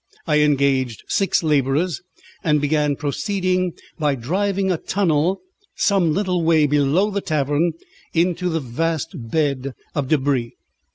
I engaged six labourers, and began proceedings by driving a tunnel some little way below the tavern into the vast bed of débris.